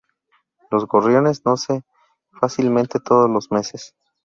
Los Gorriones no se f-acilmente todos los meses.